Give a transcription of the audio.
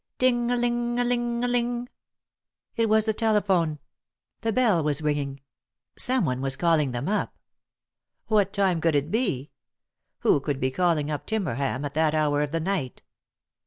Ting ling ling ling I It was the telephone ; the bell was ringing ; someone was calling them up. What time could it be ? Who could be calling op Timberham at that hour of the night